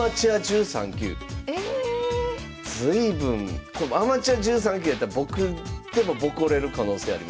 随分アマチュア１３級やったら僕でもボコれる可能性ありますよ。